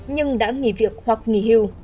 nhưng đã nghỉ việc hoặc nghỉ hưu